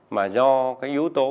mà do cái yếu tố